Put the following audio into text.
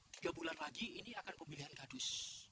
tiga bulan lagi ini akan pemilihan kadus